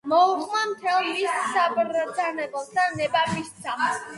მოუხმო მთელ მის საბრძანებელს და ნება მისცა